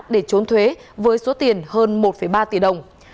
để trốn thuế với số tiền hơn một ba tỷ đồng